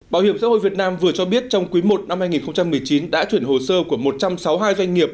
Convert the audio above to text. bảo hiểm xã hội việt nam vừa cho biết trong quý i năm hai nghìn một mươi chín đã chuyển hồ sơ của một trăm sáu mươi hai doanh nghiệp